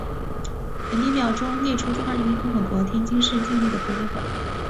本列表列出中华人民共和国天津市境内的博物馆。